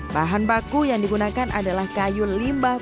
bahan baku yang digunakan adalah kayu limba kaya